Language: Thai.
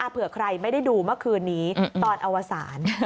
เผื่อใครไม่ได้ดูเมื่อคืนนี้ตอนอวสาร